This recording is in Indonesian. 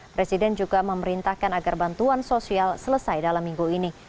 presiden juga memerintahkan agar bantuan sosial selesai dalam minggu ini